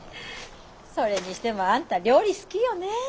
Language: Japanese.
それにしてもあんた料理好きよね。